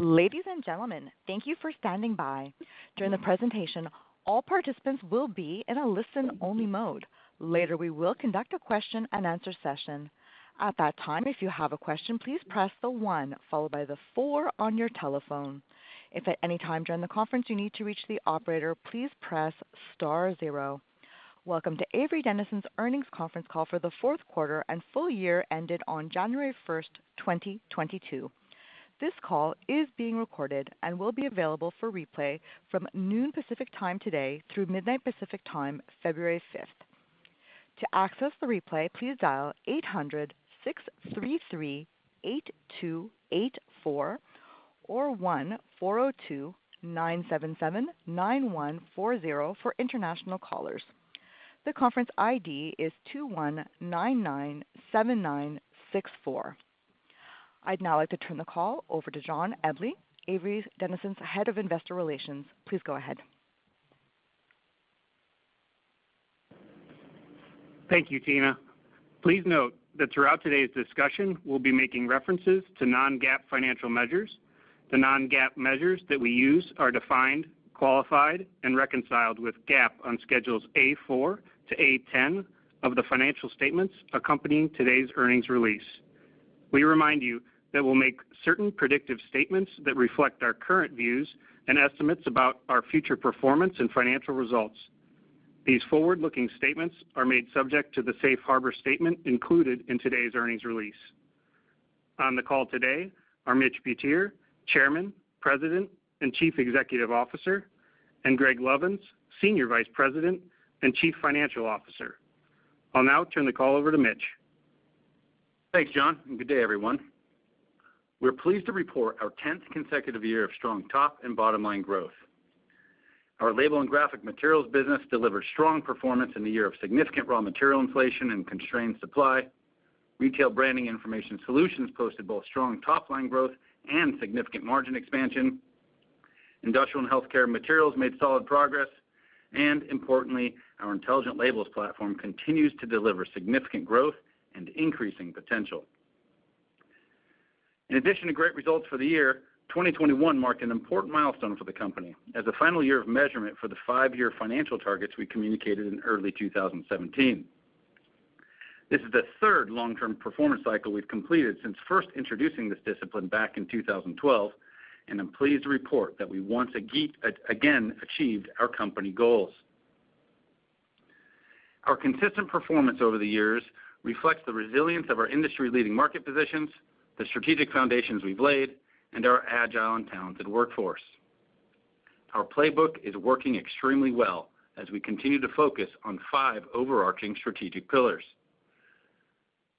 Ladies and gentlemen, thank you for standing by. During the presentation, all participants will be in a listen-only mode. Later, we will conduct a question-and-answer session. At that time, if you have a question, please press the one followed by the four on your telephone. If at any time during the conference you need to reach the operator, please press star zero. Welcome to Avery Dennison's Earnings conference call for the fourth quarter and full year ended on January 1, 2022. This call is being recorded and will be available for replay from noon Pacific Time today through midnight Pacific Time, February 5. To access the replay, please dial 800-633-8284 or 1-402-977-9140 for international callers. The conference ID is 21997964. I'd now like to turn the call over to John M. Eble, Avery Dennison's Head of Investor Relations. Please go ahead. Thank you, Tina. Please note that throughout today's discussion, we'll be making references to non-GAAP financial measures. The non-GAAP measures that we use are defined, qualified, and reconciled with GAAP on Schedules A.4 to A.10 of the financial statements accompanying today's earnings release. We remind you that we'll make certain predictive statements that reflect our current views and estimates about our future performance and financial results. These forward-looking statements are made subject to the safe harbor statement included in today's earnings release. On the call today are Mitchell R. Butier, Chairman, President, and Chief Executive Officer, and Gregory S. Lovins, Senior Vice President and Chief Financial Officer. I'll now turn the call over to Mitch. Thanks, John, and good day, everyone. We're pleased to report our 10th consecutive year of strong top and bottom line growth. Our Label and Graphic Materials business delivered strong performance in the year of significant raw material inflation and constrained supply. Retail Branding and Information Solutions posted both strong top-line growth and significant margin expansion. Industrial and Healthcare Materials made solid progress. Importantly, our Intelligent Labels platform continues to deliver significant growth and increasing potential. In addition to great results for the year, 2021 marked an important milestone for the company as a final year of measurement for the five-year financial targets we communicated in early 2017. This is the third long-term performance cycle we've completed since first introducing this discipline back in 2012, and I'm pleased to report that we again achieved our company goals. Our consistent performance over the years reflects the resilience of our industry-leading market positions, the strategic foundations we've laid, and our agile and talented workforce. Our playbook is working extremely well as we continue to focus on five overarching strategic pillars,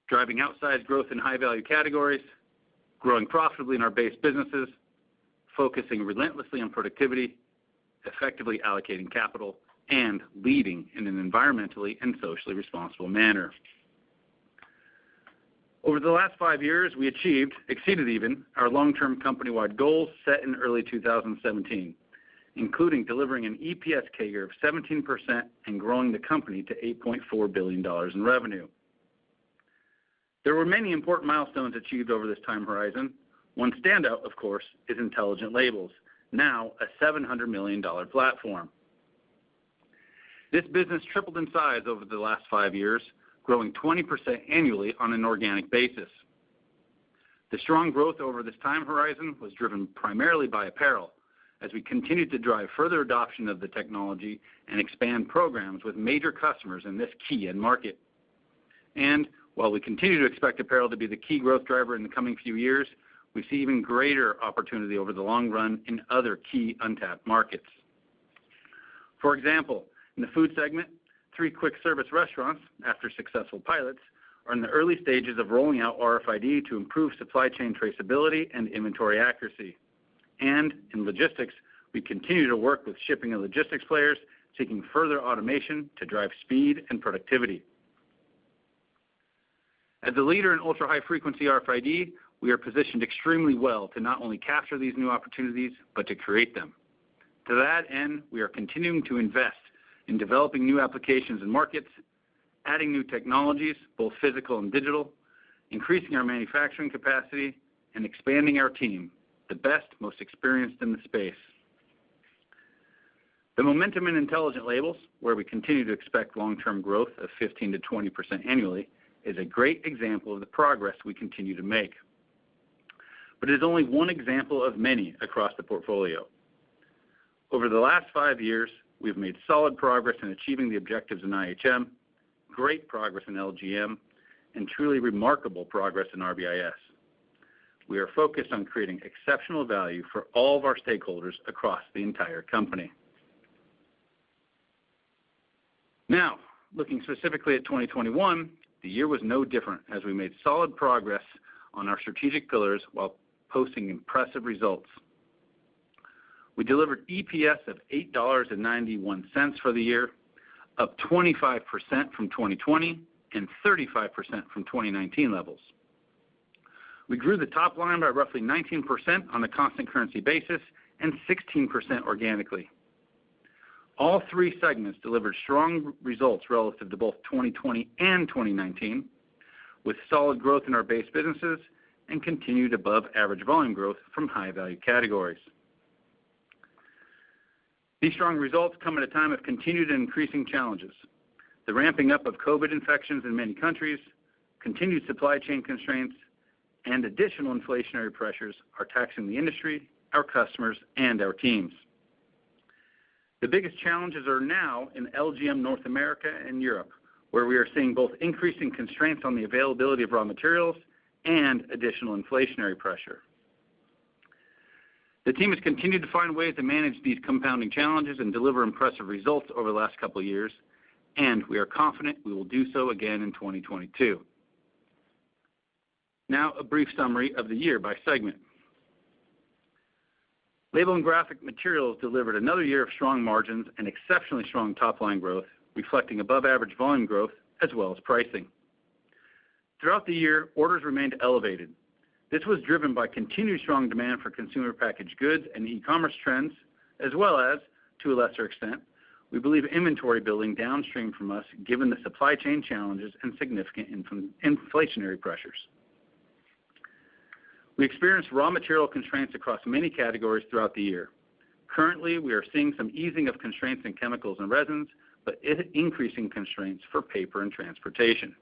driving outsized growth in high value categories, growing profitably in our base businesses, focusing relentlessly on productivity, effectively allocating capital, and leading in an environmentally and socially responsible manner. Over the last five years, we achieved, exceeded even, our long-term company-wide goals set in early 2017, including delivering an EPS CAGR of 17% and growing the company to $8.4 billion in revenue. There were many important milestones achieved over this time horizon. One standout, of course, is Intelligent Labels, now a $700 million platform. This business tripled in size over the last five years, growing 20% annually on an organic basis. The strong growth over this time horizon was driven primarily by apparel, as we continued to drive further adoption of the technology and expand programs with major customers in this key end market. While we continue to expect apparel to be the key growth driver in the coming few years, we see even greater opportunity over the long run in other key untapped markets. For example, in the food segment, three quick service restaurants after successful pilots are in the early stages of rolling out RFID to improve supply chain traceability and inventory accuracy. In logistics, we continue to work with shipping and logistics players, seeking further automation to drive speed and productivity. As a leader in ultra-high frequency RFID, we are positioned extremely well to not only capture these new opportunities but to create them. To that end, we are continuing to invest in developing new applications and markets, adding new technologies, both physical and digital, increasing our manufacturing capacity, and expanding our team, the best, most experienced in the space. The momentum in Intelligent Labels, where we continue to expect long-term growth of 15%-20% annually, is a great example of the progress we continue to make. It is only one example of many across the portfolio. Over the last 5 years, we've made solid progress in achieving the objectives in IHM, great progress in LGM, and truly remarkable progress in RBIS. We are focused on creating exceptional value for all of our stakeholders across the entire company. Now, looking specifically at 2021, the year was no different as we made solid progress on our strategic pillars while posting impressive results. We delivered EPS of $8.91 for the year, up 25% from 2020 and 35% from 2019 levels. We grew the top line by roughly 19% on a constant currency basis and 16% organically. All three segments delivered strong results relative to both 2020 and 2019, with solid growth in our base businesses and continued above average volume growth from high value categories. These strong results come at a time of continued increasing challenges. The ramping up of COVID infections in many countries, continued supply chain constraints, and additional inflationary pressures are taxing the industry, our customers, and our teams. The biggest challenges are now in LGM North America and Europe, where we are seeing both increasing constraints on the availability of raw materials and additional inflationary pressure. The team has continued to find ways to manage these compounding challenges and deliver impressive results over the last couple of years, and we are confident we will do so again in 2022. Now a brief summary of the year by segment. Label and Graphic Materials delivered another year of strong margins and exceptionally strong top-line growth, reflecting above average volume growth as well as pricing. Throughout the year, orders remained elevated. This was driven by continued strong demand for consumer packaged goods and e-commerce trends, as well as, to a lesser extent, we believe inventory building downstream from us given the supply chain challenges and significant inflationary pressures. We experienced raw material constraints across many categories throughout the year. Currently, we are seeing some easing of constraints in chemicals and resins, but increasing constraints for paper and transportation.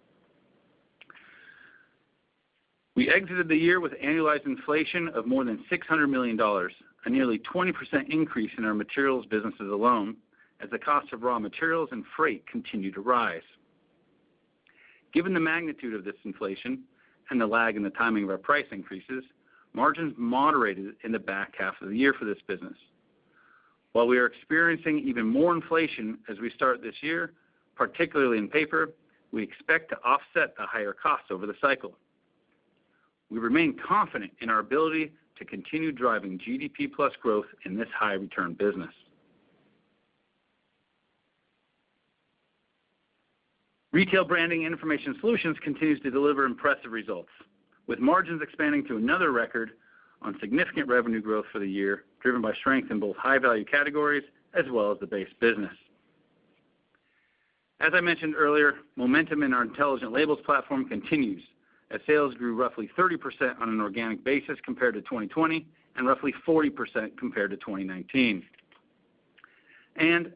We exited the year with annualized inflation of more than $600 million, a nearly 20% increase in our materials businesses alone as the cost of raw materials and freight continued to rise. Given the magnitude of this inflation and the lag in the timing of our price increases, margins moderated in the back half of the year for this business. While we are experiencing even more inflation as we start this year, particularly in paper, we expect to offset the higher costs over the cycle. We remain confident in our ability to continue driving GDP plus growth in this high return business. Retail Branding and Information Solutions continues to deliver impressive results, with margins expanding to another record on significant revenue growth for the year, driven by strength in both high-value categories as well as the base business. As I mentioned earlier, momentum in our Intelligent Labels platform continues as sales grew roughly 30% on an organic basis compared to 2020 and roughly 40% compared to 2019.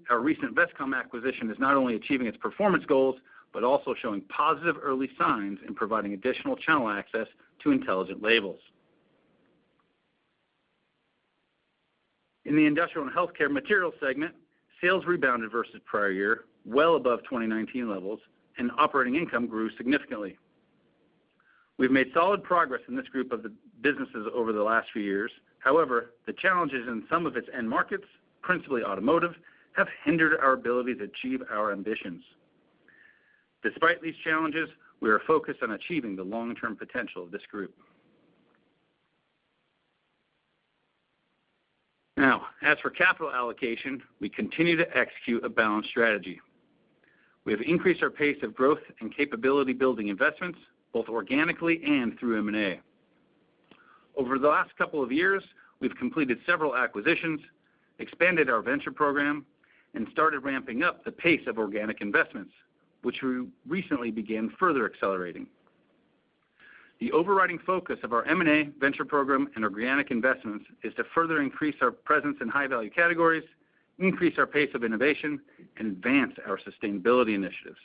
Our recent Vestcom acquisition is not only achieving its performance goals, but also showing positive early signs in providing additional channel access to Intelligent Labels. In the Industrial and Healthcare Materials segment, sales rebounded versus prior year, well above 2019 levels, and operating income grew significantly. We've made solid progress in this group of the businesses over the last few years. However, the challenges in some of its end markets, principally automotive, have hindered our ability to achieve our ambitions. Despite these challenges, we are focused on achieving the long-term potential of this group. Now, as for capital allocation, we continue to execute a balanced strategy. We have increased our pace of growth and capability building investments, both organically and through M&A. Over the last couple of years, we've completed several acquisitions, expanded our venture program, and started ramping up the pace of organic investments, which we recently began further accelerating. The overriding focus of our M&A venture program and organic investments is to further increase our presence in high-value categories, increase our pace of innovation, and advance our sustainability initiatives.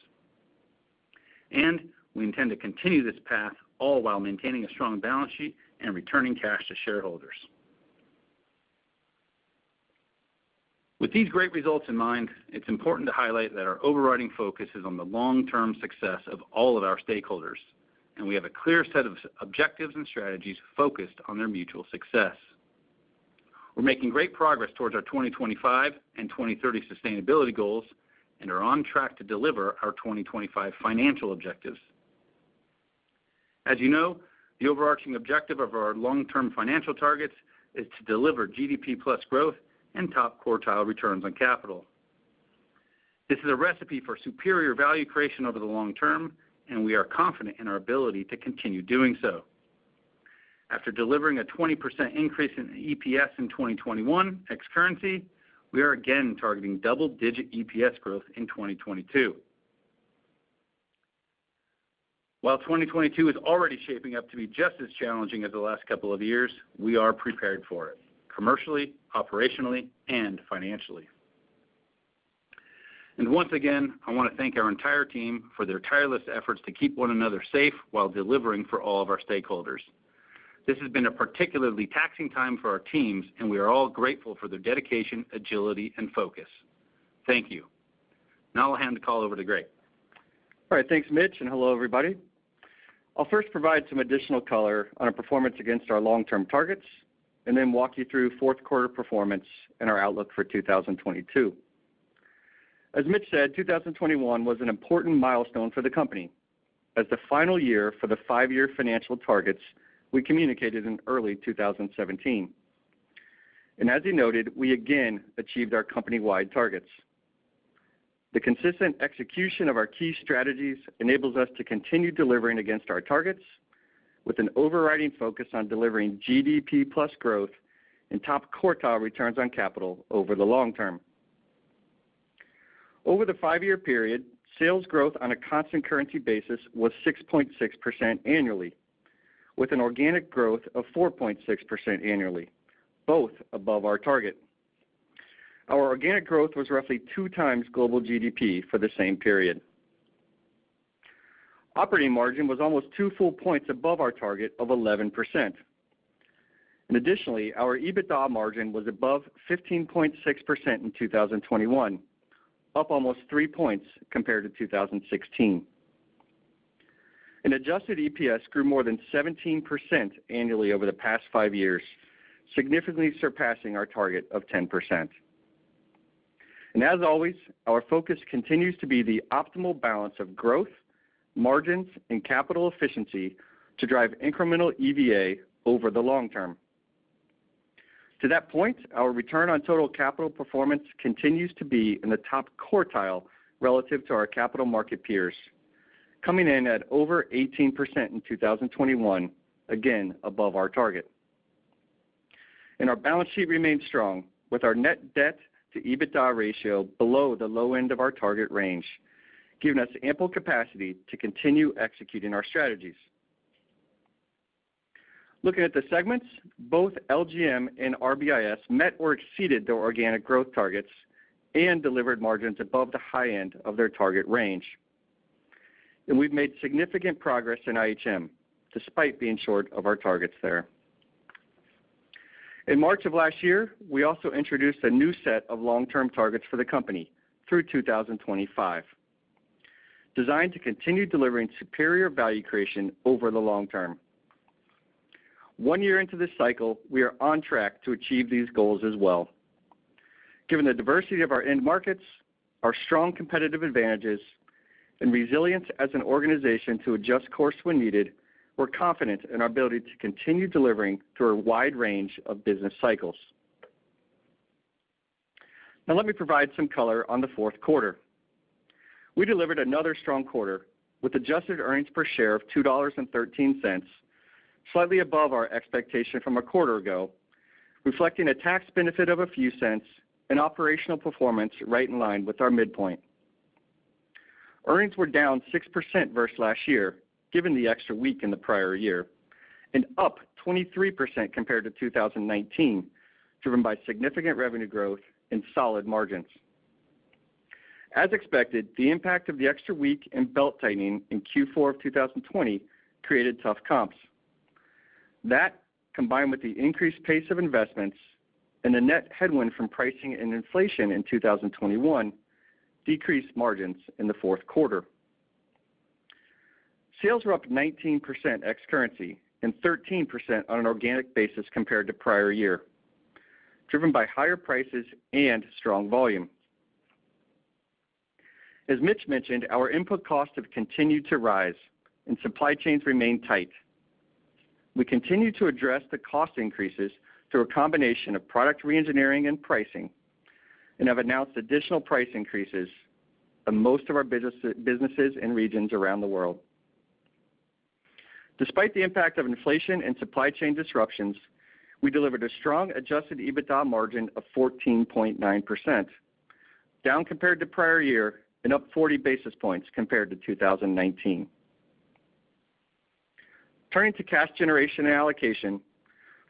We intend to continue this path all while maintaining a strong balance sheet and returning cash to shareholders. With these great results in mind, it's important to highlight that our overriding focus is on the long-term success of all of our stakeholders, and we have a clear set of strategic objectives and strategies focused on their mutual success. We're making great progress towards our 2025 and 2030 sustainability goals and are on track to deliver our 2025 financial objectives. As you know, the overarching objective of our long-term financial targets is to deliver GDP plus growth and top quartile returns on capital. This is a recipe for superior value creation over the long term, and we are confident in our ability to continue doing so. After delivering a 20% increase in EPS in 2021 ex-currency, we are again targeting double-digit EPS growth in 2022. While 2022 is already shaping up to be just as challenging as the last couple of years, we are prepared for it commercially, operationally, and financially. Once again, I want to thank our entire team for their tireless efforts to keep one another safe while delivering for all of our stakeholders. This has been a particularly taxing time for our teams, and we are all grateful for their dedication, agility, and focus. Thank you. Now I'll hand the call over to Greg. All right, thanks, Mitch, and hello, everybody. I'll first provide some additional color on our performance against our long-term targets, and then walk you through fourth quarter performance and our outlook for 2022. As Mitch said, 2021 was an important milestone for the company as the final year for the five-year financial targets we communicated in early 2017. As you noted, we again achieved our company-wide targets. The consistent execution of our key strategies enables us to continue delivering against our targets with an overriding focus on delivering GDP plus growth and top quartile returns on capital over the long term. Over the five-year period, sales growth on a constant currency basis was 6.6% annually, with an organic growth of 4.6% annually, both above our target. Our organic growth was roughly two times global GDP for the same period. Operating margin was almost two full points above our target of 11%. Additionally, our EBITDA margin was above 15.6% in 2021, up almost three points compared to 2016. Adjusted EPS grew more than 17% annually over the past five years, significantly surpassing our target of 10%. As always, our focus continues to be the optimal balance of growth, margins, and capital efficiency to drive incremental EVA over the long term. To that point, our return on total capital performance continues to be in the top quartile relative to our capital market peers, coming in at over 18% in 2021, again above our target. Our balance sheet remains strong with our net debt to EBITDA ratio below the low end of our target range, giving us ample capacity to continue executing our strategies. Looking at the segments, both LGM and RBIS met or exceeded their organic growth targets and delivered margins above the high end of their target range. We've made significant progress in IHM, despite being short of our targets there. In March of last year, we also introduced a new set of long-term targets for the company through 2025, designed to continue delivering superior value creation over the long term. One year into this cycle, we are on track to achieve these goals as well. Given the diversity of our end markets, our strong competitive advantages, and resilience as an organization to adjust course when needed, we're confident in our ability to continue delivering through a wide range of business cycles. Now let me provide some color on the fourth quarter. We delivered another strong quarter with adjusted earnings per share of $2.13, slightly above our expectation from a quarter ago, reflecting a tax benefit of a few cents and operational performance right in line with our midpoint. Earnings were down 6% versus last year, given the extra week in the prior year, and up 23% compared to 2019, driven by significant revenue growth and solid margins. As expected, the impact of the extra week and belt-tightening in Q4 of 2020 created tough comps. That, combined with the increased pace of investments and the net headwind from pricing and inflation in 2021, decreased margins in the fourth quarter. Sales were up 19% ex-currency and 13% on an organic basis compared to prior year, driven by higher prices and strong volume. As Mitch mentioned, our input costs have continued to rise and supply chains remain tight. We continue to address the cost increases through a combination of product reengineering and pricing, and have announced additional price increases on most of our businesses and regions around the world. Despite the impact of inflation and supply chain disruptions, we delivered a strong adjusted EBITDA margin of 14.9%, down compared to prior year and up 40 basis points compared to 2019. Turning to cash generation and allocation.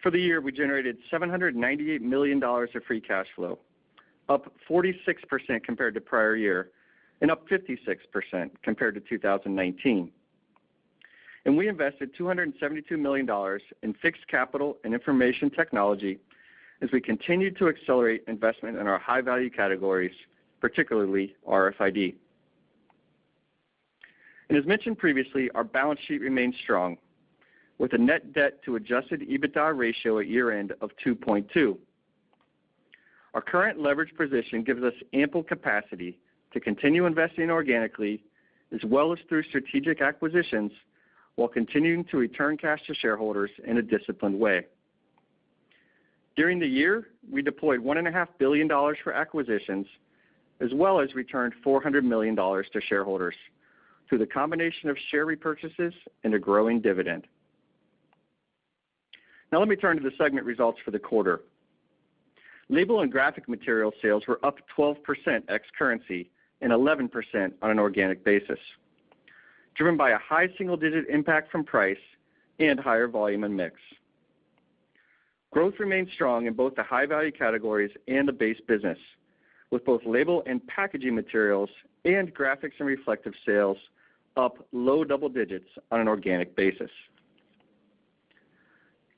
For the year, we generated $798 million of free cash flow, up 46% compared to prior year and up 56% compared to 2019. We invested $272 million in fixed capital and information technology as we continued to accelerate investment in our high-value categories, particularly RFID. As mentioned previously, our balance sheet remains strong with a net debt to adjusted EBITDA ratio at year-end of 2.2. Our current leverage position gives us ample capacity to continue investing organically as well as through strategic acquisitions while continuing to return cash to shareholders in a disciplined way. During the year, we deployed $1.5 billion for acquisitions as well as returned $400 million to shareholders through the combination of share repurchases and a growing dividend. Now let me turn to the segment results for the quarter. Label and Graphic Materials sales were up 12% ex-currency and 11% on an organic basis, driven by a high single-digit impact from price and higher volume and mix. Growth remained strong in both the high-value categories and the base business, with both label and packaging materials and Graphics and Reflectives sales up low double digits on an organic basis.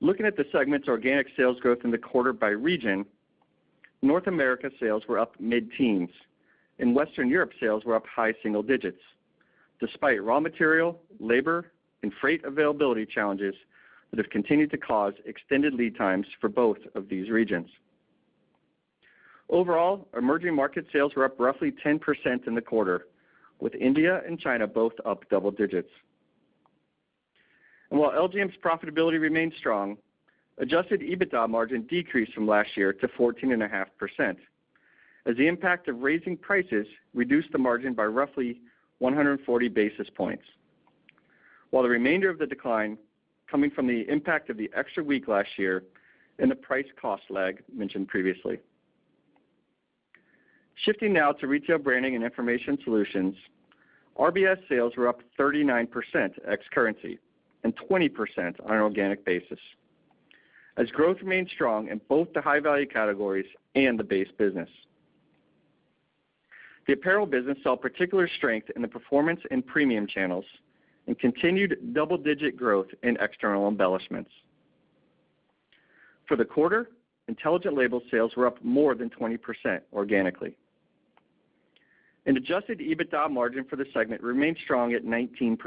Looking at the segment's organic sales growth in the quarter by region, North America sales were up mid-teens and Western Europe sales were up high single digits, despite raw material, labor, and freight availability challenges that have continued to cause extended lead times for both of these regions. Overall, emerging market sales were up roughly 10% in the quarter, with India and China both up double digits. While LGM's profitability remains strong, adjusted EBITDA margin decreased from last year to 14.5%, as the impact of raising prices reduced the margin by roughly 140 basis points. While the remainder of the decline coming from the impact of the extra week last year and the price cost lag mentioned previously. Shifting now to Retail Branding and Information Solutions. RBIS sales were up 39% ex-currency and 20% on an organic basis as growth remained strong in both the high-value categories and the base business. The apparel business saw particular strength in the performance and premium channels and continued double-digit growth in external embellishments. For the quarter, Intelligent Labels sales were up more than 20% organically. Adjusted EBITDA margin for the segment remained strong at 19%,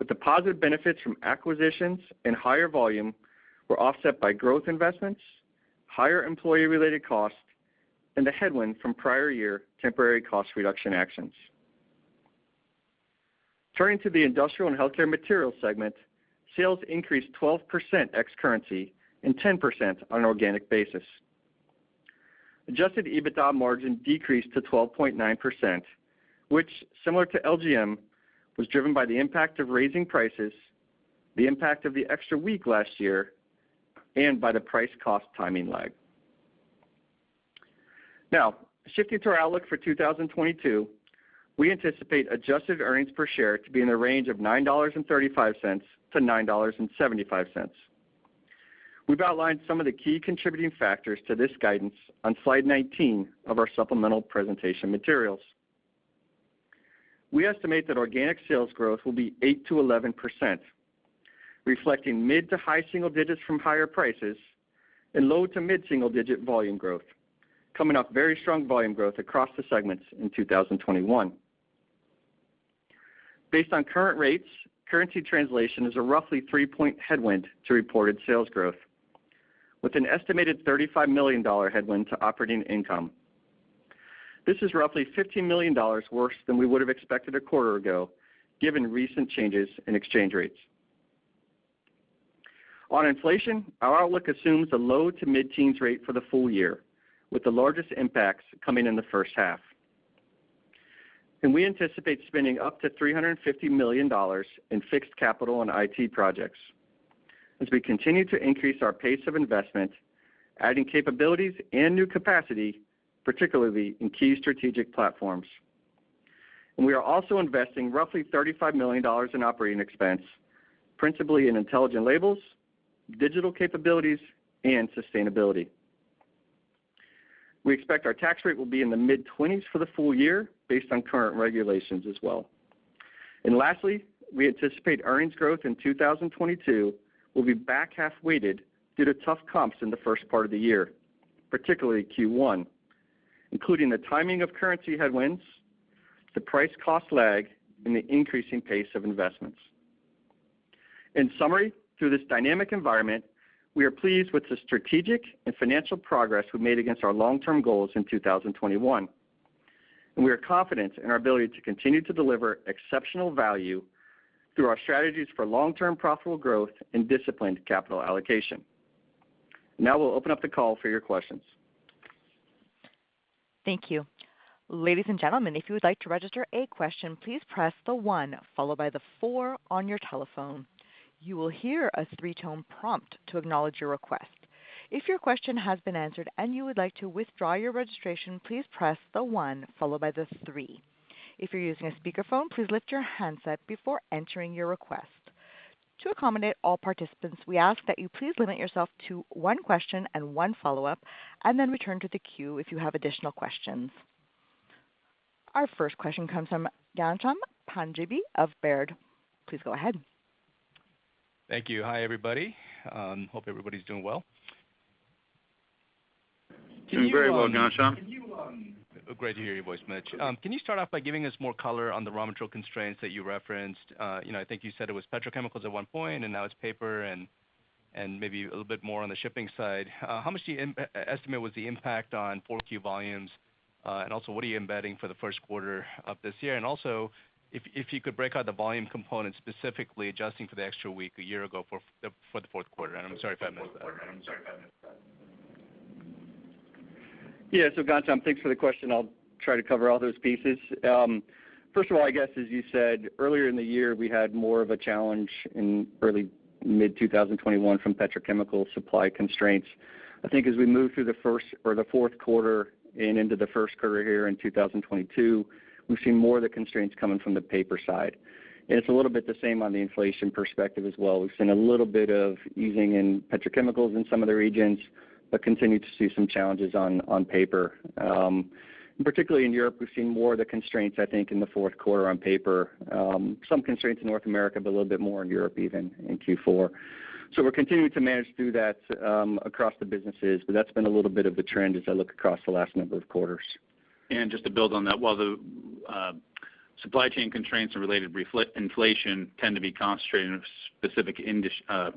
with the positive benefits from acquisitions and higher volume were offset by growth investments, higher employee-related costs, and a headwind from prior year temporary cost reduction actions. Turning to the Industrial and Healthcare Materials segment, sales increased 12% ex-currency and 10% on an organic basis. Adjusted EBITDA margin decreased to 12.9%, which similar to LGM, was driven by the impact of raising prices, the impact of the extra week last year, and by the price cost timing lag. Now, shifting to our outlook for 2022, we anticipate adjusted earnings per share to be in the range of $9.35-$9.75. We've outlined some of the key contributing factors to this guidance on slide 19 of our supplemental presentation materials. We estimate that organic sales growth will be 8%-11%, reflecting mid to high single digits from higher prices and low to mid-single digit volume growth, coming off very strong volume growth across the segments in 2021. Based on current rates, currency translation is a roughly three-point headwind to reported sales growth, with an estimated $35 million headwind to operating income. This is roughly $15 million worse than we would have expected a quarter ago, given recent changes in exchange rates. On inflation, our outlook assumes a low to mid-teens rate for the full year, with the largest impacts coming in the first half. We anticipate spending up to $350 million in fixed capital and IT projects as we continue to increase our pace of investment, adding capabilities and new capacity, particularly in key strategic platforms. We are also investing roughly $35 million in operating expense, principally in Intelligent Labels, digital capabilities, and sustainability. We expect our tax rate will be in the mid-20s% for the full year based on current regulations as well. Lastly, we anticipate earnings growth in 2022 will be back half-weighted due to tough comps in the first part of the year, particularly Q1, including the timing of currency headwinds, the price cost lag, and the increasing pace of investments. In summary, through this dynamic environment, we are pleased with the strategic and financial progress we've made against our long-term goals in 2021. We are confident in our ability to continue to deliver exceptional value through our strategies for long-term profitable growth and disciplined capital allocation. Now we'll open up the call for your questions. Thank you. Ladies and gentlemen, if you would like to register a question, please press one followed by four on your telephone. You will hear a three-tone prompt to acknowledge your request. If your question has been answered and you would like to withdraw your registration, please press one followed by three. If you're using a speakerphone, please lift your handset before entering your request. To accommodate all participants, we ask that you please limit yourself to one question and one follow-up, and then return to the queue if you have additional questions. Our first question comes from Ghansham Panjabi of Baird. Please go ahead. Thank you. Hi, everybody. Hope everybody's doing well. Doing very well, Ghansham. Great to hear your voice, Mitch. Can you start off by giving us more color on the raw material constraints that you referenced? You know, I think you said it was petrochemicals at one point, and now it's paper and maybe a little bit more on the shipping side. How much do you estimate was the impact on Q4 volumes? What are you embedding for the first quarter of this year? Also if you could break out the volume component, specifically adjusting for the extra week a year ago for the fourth quarter. I'm sorry if I missed that. Yeah. Ghansham, thanks for the question. I'll try to cover all those pieces. First of all, I guess as you said earlier in the year, we had more of a challenge in early mid 2021 from petrochemical supply constraints. I think as we move through the third or the fourth quarter and into the first quarter here in 2022, we've seen more of the constraints coming from the paper side. It's a little bit the same on the inflation perspective as well. We've seen a little bit of easing in petrochemicals in some of the regions, but continue to see some challenges on paper. Particularly in Europe, we've seen more of the constraints, I think, in the fourth quarter on paper. Some constraints in North America, but a little bit more in Europe, even in Q4. We're continuing to manage through that across the businesses, but that's been a little bit of a trend as I look across the last number of quarters. Just to build on that, while the supply chain constraints and related inflation tend to be concentrated in specific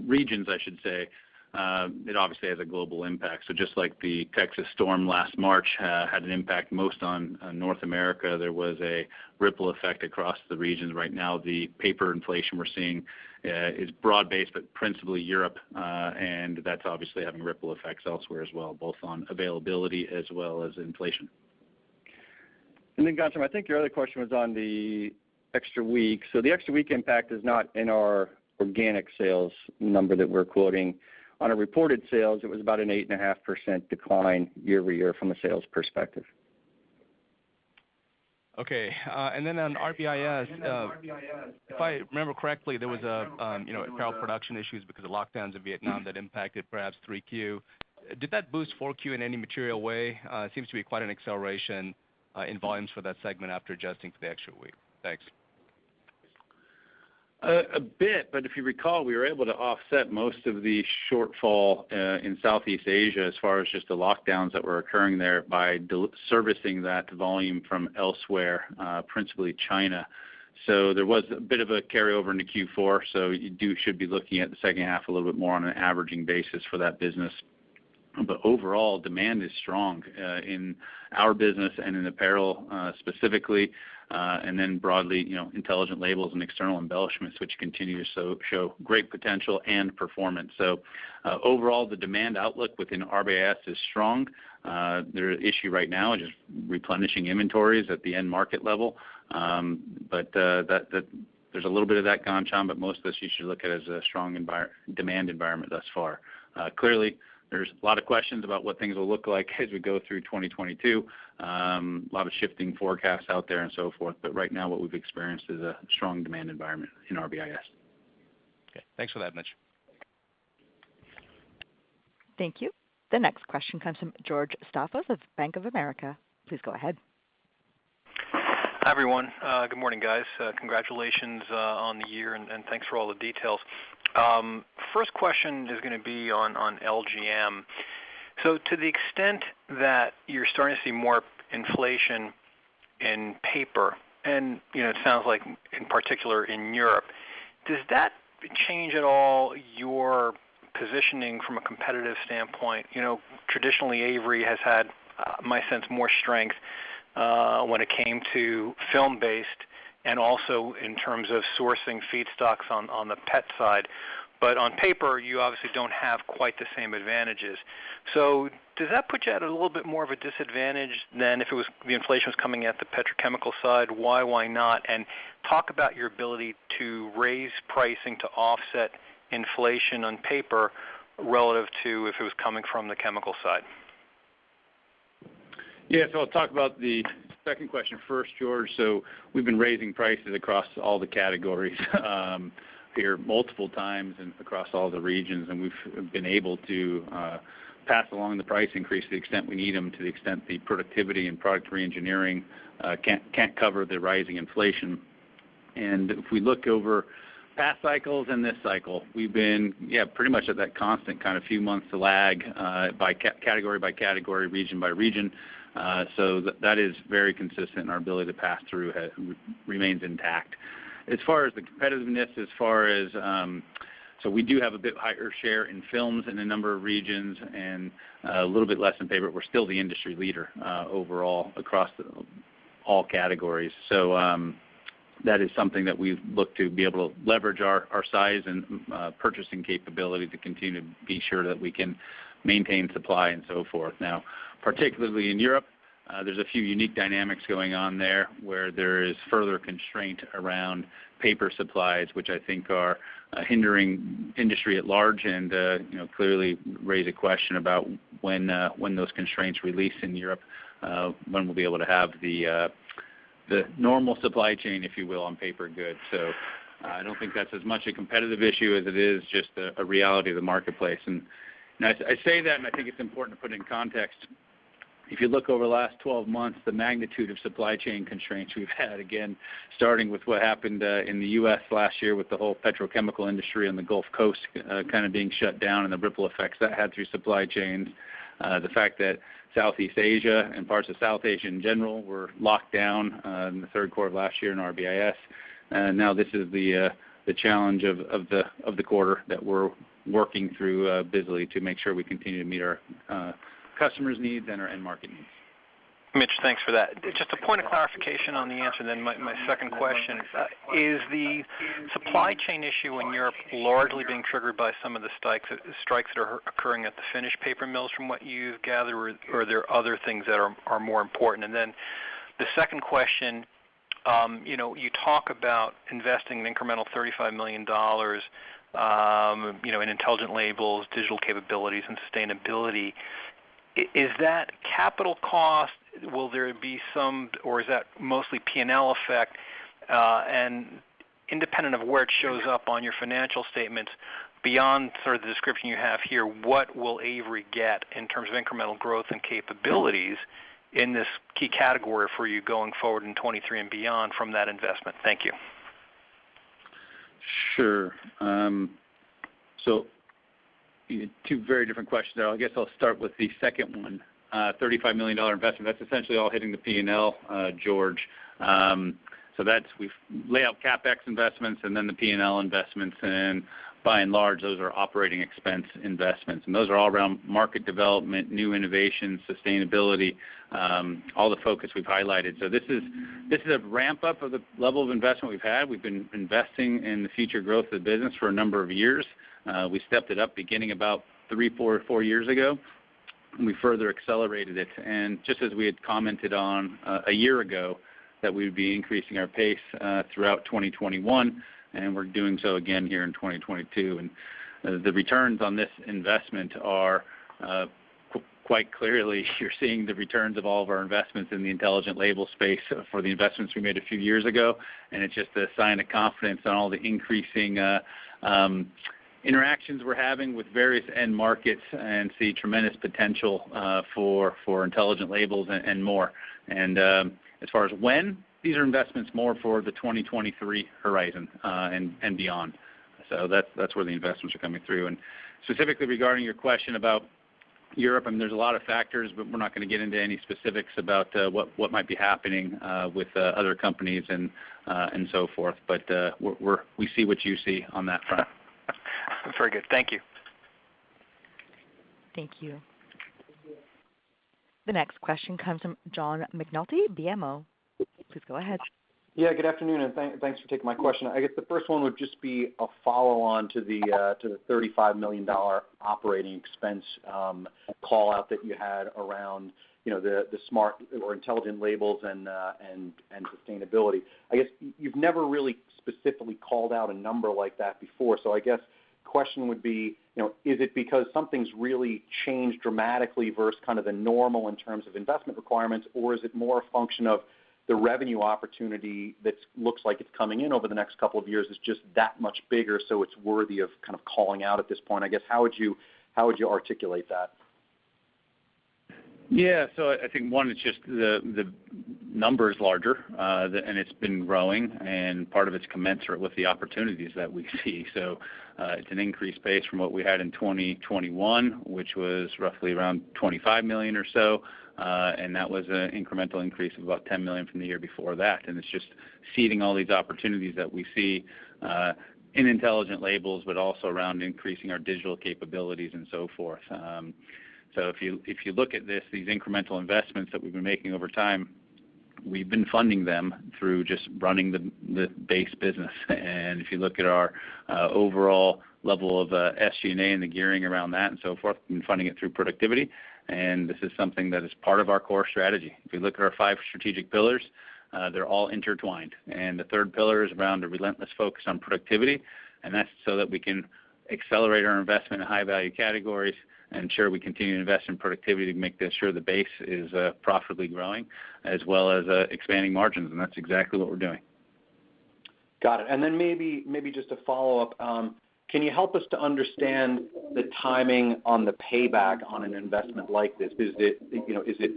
regions, I should say. It obviously has a global impact. Just like the Texas storm last March had an impact most on North America, there was a ripple effect across the regions. Right now, the paper inflation we're seeing is broad-based, but principally Europe and that's obviously having ripple effects elsewhere as well, both on availability as well as inflation. Then, Ghansham, I think your other question was on the extra week. The extra week impact is not in our organic sales number that we're quoting. On a reported sales, it was about an 8.5% decline year-over-year from a sales perspective. Okay. On RBIS, if I remember correctly, there was you know, apparel production issues because of lockdowns in Vietnam that impacted perhaps Q3. Did that boost Q4 in any material way? It seems to be quite an acceleration in volumes for that segment after adjusting for the extra week. Thanks. A bit, but if you recall, we were able to offset most of the shortfall in Southeast Asia as far as just the lockdowns that were occurring there by sourcing that volume from elsewhere, principally China. There was a bit of a carryover into Q4, so you should be looking at the second half a little bit more on an averaging basis for that business. Overall, demand is strong in our business and in apparel specifically, and then broadly, you know, Intelligent Labels and external embellishments, which continue to show great potential and performance. Overall, the demand outlook within RBIS is strong. Their issue right now is just replenishing inventories at the end market level. There's a little bit of that, Ghansham, but most of this you should look at as a strong demand environment thus far. Clearly, there's a lot of questions about what things will look like as we go through 2022. A lot of shifting forecasts out there and so forth, but right now what we've experienced is a strong demand environment in RBIS. Okay. Thanks for that, Mitch. Thank you. The next question comes from George Leon Staphos of Bank of America. Please go ahead. Hi, everyone. Good morning, guys. Congratulations on the year, and thanks for all the details. First question is gonna be on LGM. To the extent that you're starting to see more inflation in paper, and you know, it sounds like in particular in Europe, does that change at all your positioning from a competitive standpoint? You know, traditionally, Avery has had my sense, more strength when it came to film-based and also in terms of sourcing feedstocks on the PET side. But on paper, you obviously don't have quite the same advantages. Does that put you at a little bit more of a disadvantage than if it was the inflation coming at the petrochemical side? Why? Why not? Talk about your ability to raise pricing to offset inflation on paper relative to if it was coming from the chemical side. Yeah. I'll talk about the second question first, George. We've been raising prices across all the categories here multiple times and across all the regions. We've been able to pass along the price increase to the extent we need them, to the extent the productivity and product re-engineering can't cover the rising inflation. If we look over past cycles and this cycle, we've been pretty much at that constant kind of few months lag by category by category, region by region. That is very consistent, and our ability to pass through remains intact. As far as the competitiveness, as far as we do have a bit higher share in films in a number of regions and a little bit less in paper. We're still the industry leader overall across all categories. That is something that we look to be able to leverage our size and purchasing capability to continue to be sure that we can maintain supply and so forth. Now, particularly in Europe, there's a few unique dynamics going on there, where there is further constraint around paper supplies, which I think are hindering industry at large and, you know, clearly raise a question about when those constraints release in Europe, when we'll be able to have the normal supply chain, if you will, on paper goods. I don't think that's as much a competitive issue as it is just a reality of the marketplace. I say that, and I think it's important to put it in context. If you look over the last 12 months, the magnitude of supply chain constraints we've had, again, starting with what happened in the U.S. last year with the whole petrochemical industry on the Gulf Coast kind of being shut down and the ripple effects that had through supply chains. The fact that Southeast Asia and parts of South Asia in general were locked down in the third quarter of last year in RBIS. Now this is the challenge of the quarter that we're working through busily to make sure we continue to meet our customers' needs and our end market needs. Mitch, thanks for that. Just a point of clarification on the answer, then my second question. Is the supply chain issue in Europe largely being triggered by some of the strikes that are occurring at the finished paper mills from what you've gathered, or are there other things that are more important? The second question, you know, you talk about investing an incremental $35 million, you know, in Intelligent Labels, digital capabilities, and sustainability. Is that capital cost, will there be some, or is that mostly P&L effect? Independent of where it shows up on your financial statements, beyond sort of the description you have here, what will Avery get in terms of incremental growth and capabilities in this key category for you going forward in 2023 and beyond from that investment? Thank you. Sure. Two very different questions there. I guess I'll start with the second one. $35 million investment, that's essentially all hitting the P&L, George. We lay out CapEx investments and then the P&L investments, and by and large, those are operating expense investments. Those are all around market development, new innovation, sustainability, all the focus we've highlighted. This is a ramp-up of the level of investment we've had. We've been investing in the future growth of the business for a number of years. We stepped it up beginning about three or four years ago. We further accelerated it. Just as we had commented on, a year ago that we would be increasing our pace, throughout 2021, and we're doing so again here in 2022. The returns on this investment are quite clearly, you're seeing the returns of all of our investments in the Intelligent Labels space for the investments we made a few years ago. It's just a sign of confidence on all the increasing interactions we're having with various end markets and see tremendous potential for Intelligent Labels and more. As far as when, these are investments more for the 2023 horizon and beyond. That's where the investments are coming through. Specifically regarding your question about Europe, I mean, there's a lot of factors, but we're not gonna get into any specifics about what might be happening with other companies and so forth. We're we see what you see on that front. Very good. Thank you. Thank you. The next question comes from John McNulty, BMO. Please go ahead. Yeah, good afternoon, and thanks for taking my question. I guess the first one would just be a follow-on to the $35 million operating expense call-out that you had around, you know, the smart or Intelligent Labels and sustainability. I guess you've never really specifically called out a number like that before. I guess the question would be, you know, is it because something's really changed dramatically versus kind of the normal in terms of investment requirements? Or is it more a function of the revenue opportunity that looks like it's coming in over the next couple of years is just that much bigger, so it's worthy of kind of calling out at this point? I guess, how would you articulate that? I think one, it's just the number is larger, and it's been growing, and part of it's commensurate with the opportunities that we see. It's an increased pace from what we had in 2021, which was roughly around $25 million or so. That was an incremental increase of about $10 million from the year before that. It's just seeding all these opportunities that we see in Intelligent Labels, but also around increasing our digital capabilities and so forth. If you look at these incremental investments that we've been making over time, we've been funding them through just running the base business. If you look at our overall level of SG&A and the gearing around that and so forth and funding it through productivity, and this is something that is part of our core strategy. If you look at our five strategic pillars, they're all intertwined. The third pillar is around a relentless focus on productivity, and that's so that we can accelerate our investment in high-value categories and ensure we continue to invest in productivity to make sure the base is profitably growing as well as expanding margins. That's exactly what we're doing. Got it. Maybe just a follow-up. Can you help us to understand the timing on the payback on an investment like this? Is it, you know, is it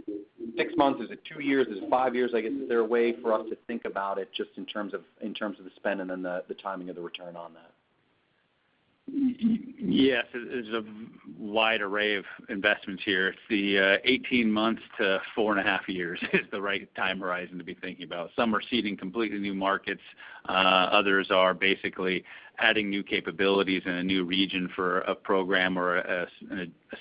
six months? Is it two years? Is it five years? I guess, is there a way for us to think about it just in terms of the spend and then the timing of the return on that? Yes. It is a wide array of investments here. It's the 18 months to 4.5 years is the right time horizon to be thinking about. Some are seeding completely new markets. Others are basically adding new capabilities in a new region for a program or a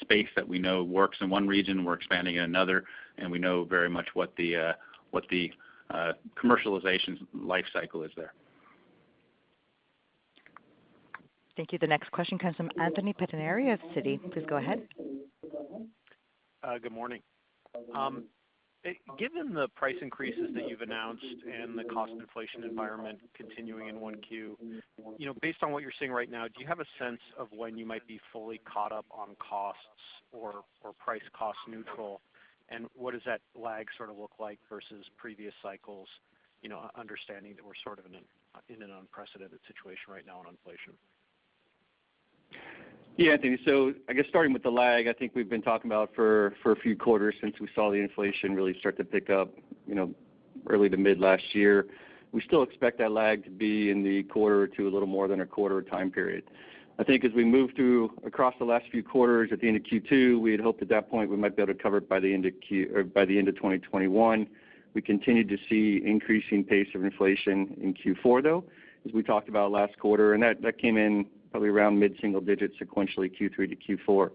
space that we know works in one region, we're expanding in another, and we know very much what the commercialization life cycle is there. Thank you. The next question comes from Anthony Pettinari of Citi. Please go ahead. Good morning. Given the price increases that you've announced and the cost inflation environment continuing in 1Q, you know, based on what you're seeing right now, do you have a sense of when you might be fully caught up on costs or price cost neutral? What does that lag sort of look like versus previous cycles, you know, understanding that we're sort of in an unprecedented situation right now on inflation? Yeah, Anthony. I guess starting with the lag, I think we've been talking about for a few quarters since we saw the inflation really start to pick up, you know, early to mid last year. We still expect that lag to be in the quarter to a little more than a quarter time period. I think as we moved through across the last few quarters at the end of Q2, we had hoped at that point we might be able to cover it by the end of or by the end of 2021. We continued to see increasing pace of inflation in Q4, though, as we talked about last quarter, and that came in probably around mid-single digit sequentially Q3 to Q4.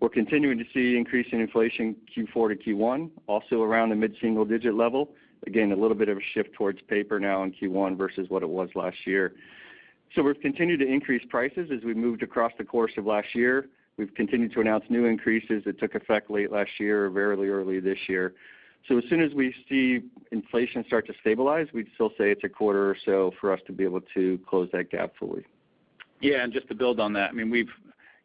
We're continuing to see increasing inflation Q4 to Q1, also around the mid-single digit level. Again, a little bit of a shift towards paper now in Q1 versus what it was last year. We've continued to increase prices as we moved across the course of last year. We've continued to announce new increases that took effect late last year or very early this year. As soon as we see inflation start to stabilize, we'd still say it's a quarter or so for us to be able to close that gap fully. Yeah. Just to build on that, I mean, we've,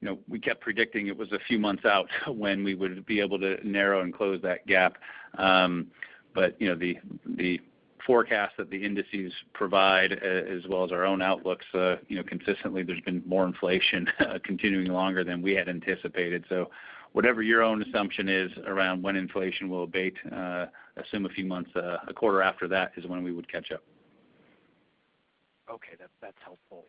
you know, we kept predicting it was a few months out when we would be able to narrow and close that gap. But, you know, the forecast that the indices provide, as well as our own outlooks, you know, consistently there's been more inflation continuing longer than we had anticipated. Whatever your own assumption is around when inflation will abate, assume a few months, a quarter after that is when we would catch up. Okay, that's helpful.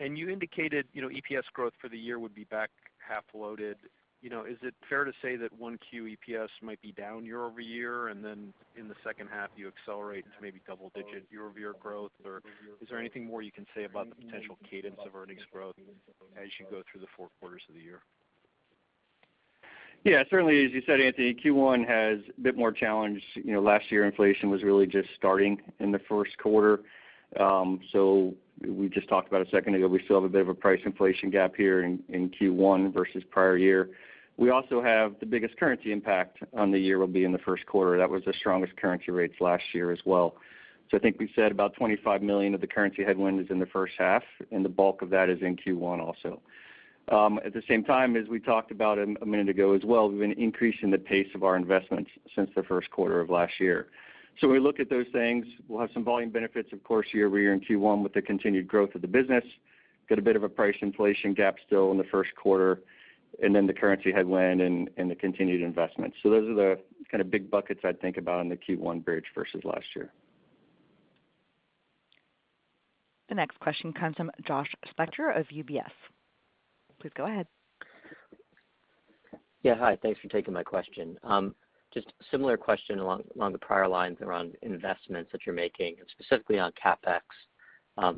You indicated, you know, EPS growth for the year would be back half loaded. You know, is it fair to say that 1Q EPS might be down year-over-year, and then in the second half you accelerate to maybe double digit year-over-year growth? Or is there anything more you can say about the potential cadence of earnings growth as you go through the four quarters of the year? Yeah. Certainly, as you said, Anthony, Q1 has a bit more challenge. You know, last year inflation was really just starting in the first quarter. We just talked about a second ago, we still have a bit of a price inflation gap here in Q1 versus prior year. We also have the biggest currency impact on the year will be in the first quarter. That was the strongest currency rates last year as well. I think we said about $25 million of the currency headwind is in the first half, and the bulk of that is in Q1 also. At the same time as we talked about a minute ago as well, we've been increasing the pace of our investments since the first quarter of last year. When we look at those things, we'll have some volume benefits, of course, year-over-year in Q1 with the continued growth of the business. Get a bit of a price inflation gap still in the first quarter, and then the currency headwind and the continued investment. Those are the kind of big buckets I'd think about in the Q1 bridge versus last year. The next question comes from Joshua Spector of UBS. Please go ahead. Yeah, hi. Thanks for taking my question. Just a similar question along the prior lines around investments that you're making and specifically on CapEx.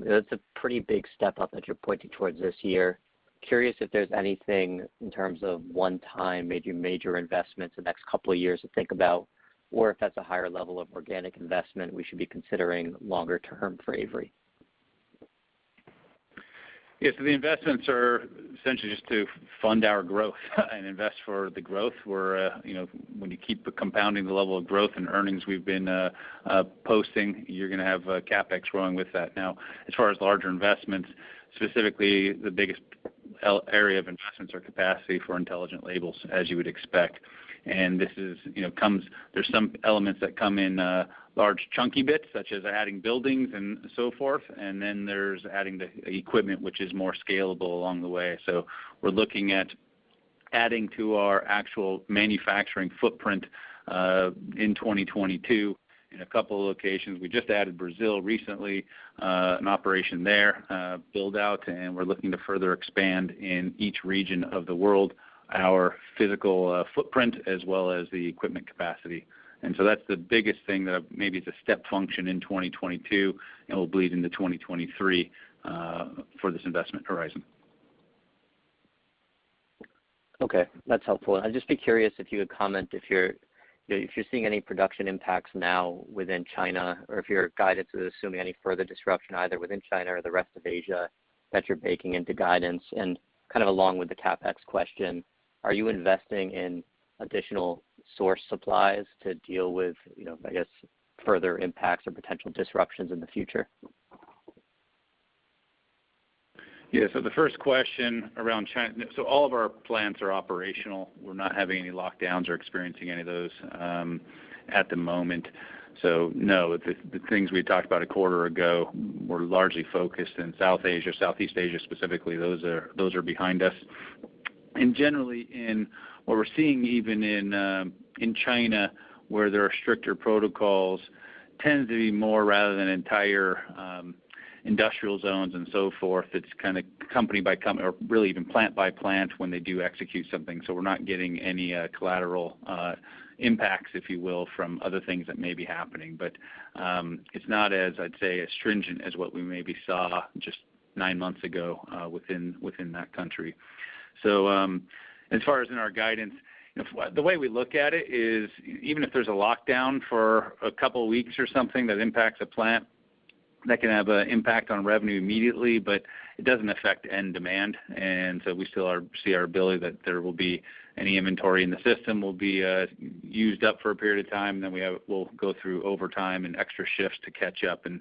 That's a pretty big step up that you're pointing towards this year. Curious if there's anything in terms of one-time maybe major investments the next couple of years to think about, or if that's a higher level of organic investment we should be considering longer term for Avery. Yeah. The investments are essentially just to fund our growth and invest for the growth. We're, you know, when you keep compounding the level of growth and earnings we've been posting, you're gonna have CapEx growing with that. Now, as far as larger investments, specifically the biggest area of investments or capacity for Intelligent Labels as you would expect. This is, you know, there's some elements that come in large chunky bits such as adding buildings and so forth. Then there's adding the equipment which is more scalable along the way. We're looking at adding to our actual manufacturing footprint in 2022 in a couple of locations. We just added Brazil recently, an operation there, build out, and we're looking to further expand in each region of the world, our physical footprint as well as the equipment capacity. That's the biggest thing that maybe it's a step function in 2022, and we'll bleed into 2023, for this investment horizon. Okay, that's helpful. I'd just be curious if you would comment if you're, you know, if you're seeing any production impacts now within China or if your guidance is assuming any further disruption either within China or the rest of Asia that you're baking into guidance. Kind of along with the CapEx question, are you investing in additional supply sources to deal with, you know, I guess, further impacts or potential disruptions in the future? Yeah. The first question around China. All of our plants are operational. We're not having any lockdowns or experiencing any of those at the moment. No, the things we talked about a quarter ago were largely focused in South Asia, Southeast Asia specifically. Those are behind us. Generally in what we're seeing even in China where there are stricter protocols tends to be more rather than entire industrial zones and so forth. It's kind of company by company or really even plant by plant when they do execute something. We're not getting any collateral impacts, if you will, from other things that may be happening. It's not as I'd say as stringent as what we maybe saw just nine months ago within that country. As far as in our guidance, you know, the way we look at it is even if there's a lockdown for a couple of weeks or something that impacts a plant, that can have an impact on revenue immediately, but it doesn't affect end demand. We still see that any inventory in the system will be used up for a period of time, then we'll go through overtime and extra shifts to catch up and